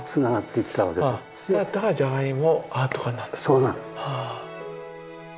そうなんです。